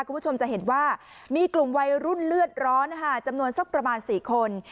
คุณผู้ชมจะเห็นว่ามีกลุ่มวัยรุ่นเลือดร้อนจำนวนสักประมาณ๔คน